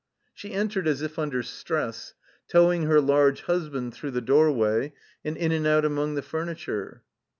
She entered as if under stress, towing her large husband through the doorway, and in and out among the furniture.